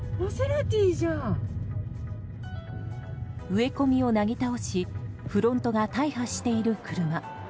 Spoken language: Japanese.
植え込みをなぎ倒しフロントが大破している車。